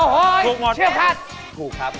หมื่นทรูปถูกครับ